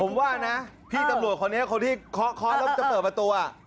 ผมว่านะพี่ตำรวจคนนี้คนที่เคาะเคาะแล้วจะเปิดประตู